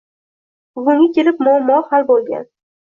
Bugunga kelib, bu muammo hal boʻlgan.